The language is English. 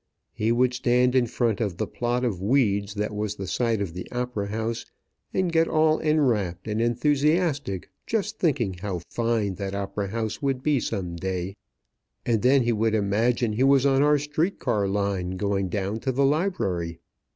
He would stand in front of the plot of weeds that was the site of the opera house, and get all enrapt and enthusiastic just thinking how fine that opera house would be some day; and then he would imagine he was on our street car line going down to the library.